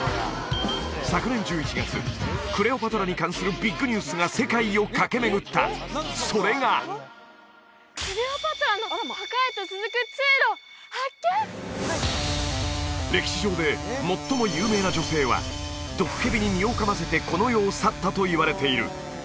昨年１１月クレオパトラに関するビッグニュースが世界を駆け巡ったそれが歴史上で最も有名な女性は毒蛇に身を噛ませてこの世を去ったといわれている